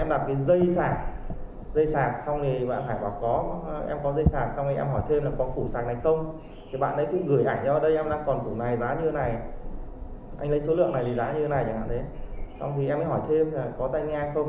đầu tiên em nhớ không nhầm là em đặt cái dây sạc dây sạc xong thì bạn phải bảo có em có dây sạc xong thì em hỏi thêm là có củ sạc này không